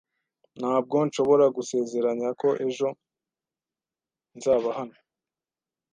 Ntabwo nshobora gusezeranya ko ejo nzaba hano.